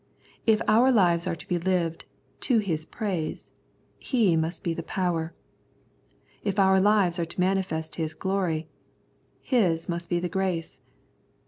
If our lives are to be lived " to His praise," His must be the power. If our lives are to manifest His glory, His must be the grace.